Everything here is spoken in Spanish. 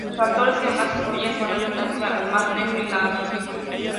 Los factores que más influyen son la distancia al Mar Negro y la altitud.